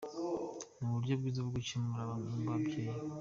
"Ni uburyo bwiza bwo gukebura bamwe mu babyeyi.